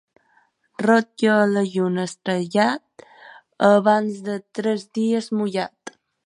Rotllo a la lluna estrellat, abans de tres dies mullat.